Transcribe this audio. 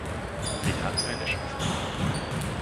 Sie hat eine Schwester.